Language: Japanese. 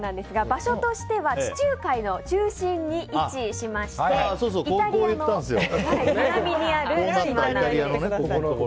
場所としては地中海の中心に位置しましてイタリアの南にある島なんです。